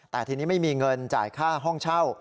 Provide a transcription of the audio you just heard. แต่ทีนี้ไม่มีเงินจ่ายค่าห้องเช่า